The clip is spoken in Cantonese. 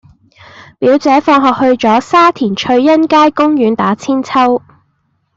表姐放學去左沙田翠欣街公園打韆鞦